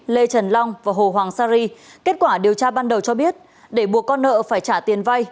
lê trần long và hồ hoàng sa ri kết quả điều tra ban đầu cho biết để buộc con nợ phải trả tiền vay